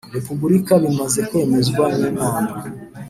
Repubulika bimaze kwemezwa n’Inama